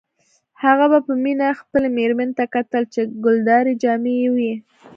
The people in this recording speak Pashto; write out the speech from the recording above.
هغه به په مینه خپلې میرمنې ته کتل چې ګلدارې جامې یې وې